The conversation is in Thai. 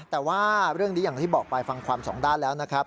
แต่ว่าเรื่องนี้อย่างที่บอกไปฟังความสองด้านแล้วนะครับ